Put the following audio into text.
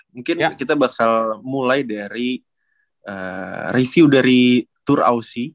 mungkin kita bakal mulai dari review dari tour aucy